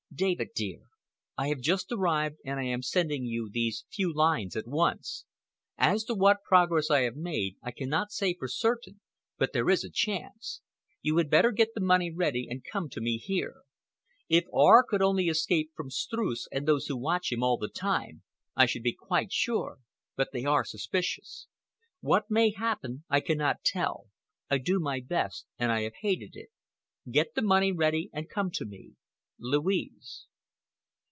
DAVID DEAR,—I have just arrived and I am sending you these few lines at once. As to what progress I have made, I cannot say for certain, but there is a chance. You had better get the money ready and come to me here. If R. could only escape from Streuss and those who watch him all the time, I should be quite sure, but they are suspicious. What may happen I cannot tell. I do my best and I have hated it. Get the money ready and come to me. LOUISE.